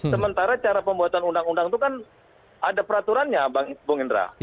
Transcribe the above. sementara cara pembuatan undang undang itu kan ada peraturannya bang indra